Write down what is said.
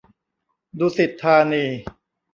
ดุสิตธานี